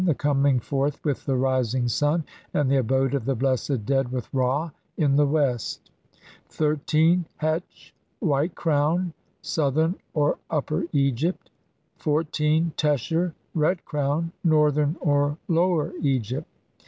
The coming forth with the rising sun, and the abode of the blessed dead with Ra in the west. 1 3. Q ketch White crown. Southern or Upper Egypt. 14. \f tesher Red crown. Northern or Lower Egypt.